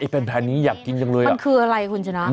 แบนอย่างนี้อยากกินจังเลยอะมันคืออะไรคุณฉันน่ะ